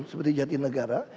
seperti jati negara